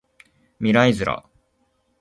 未来ズラ